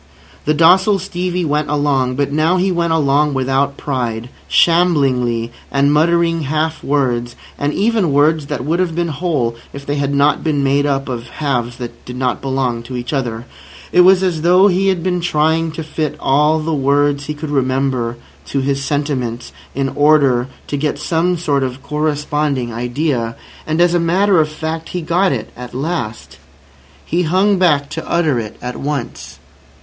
The docile Stevie went along; but now he went along without pride, shamblingly, and muttering half words, and even words that would have been whole if they had not been made up of halves that did not belong to each other. It was as though he had been trying to fit all the words he could remember to his sentiments in order to get some sort of corresponding idea. And, as a matter of fact, he got it at last. He hung back to utter it at once.